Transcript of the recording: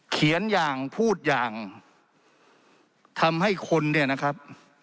เขียนอย่างพูดอย่างทำให้คนนี้นะครับ